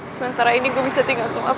sementara ini gue bisa tinggal sama fadi